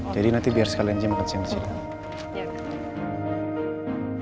jadi nanti biar sekalian aja makan siang siang